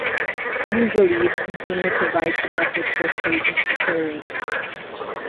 Usually, the container provides the methods for creating iterators.